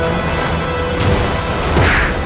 aku akan mengunggurkan ibumu sendiri